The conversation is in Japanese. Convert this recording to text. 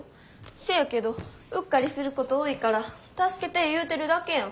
せやけどうっかりすること多いから助けて言うてるだけやん。